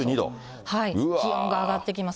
気温が上がってきます。